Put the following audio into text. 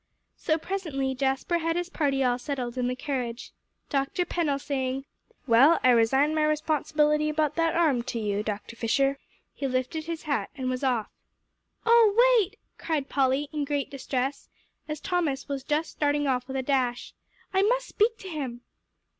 So presently Jasper had his party all settled in the carriage, Dr. Pennell saying, "Well, I resign my responsibility about that arm to you, Dr. Fisher." He lifted his hat, and was off. "Oh, wait!" cried Polly in great distress as Thomas was just starting off with a dash, "I must speak to him."